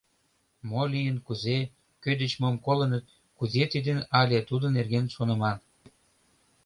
Мо лийын, кузе, кӧ деч мом колыныт, кузе тидын але тудын нерген шоныман.